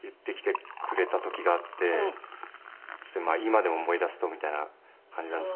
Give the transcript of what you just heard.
今でも思い出すとみたいな感じなんですけど。